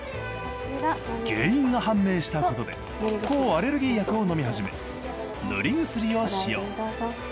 原因が判明したことで抗アレルギー薬を飲み始め塗り薬を使用。